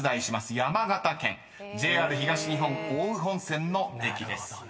［山形県ＪＲ東日本奥羽本線の駅です］